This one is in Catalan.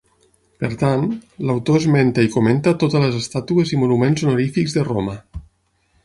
Per tant, l'autor esmenta i comenta totes les estàtues i monuments honorífics de Roma.